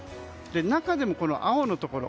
中でも青のところ。